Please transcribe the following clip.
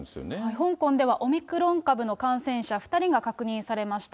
香港では、オミクロン株の感染者２人が確認されました。